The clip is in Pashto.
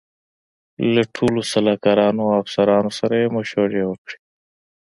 له ټولو سلاکارانو او افسرانو سره یې مشورې وکړې.